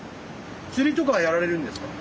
釣りとかはやられるんですか？